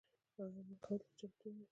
ایا عمل کولو ته چمتو یاست؟